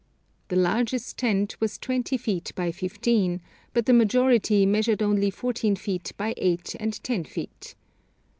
The largest tent was twenty feet by fifteen, but the majority measured only fourteen feet by eight and ten feet.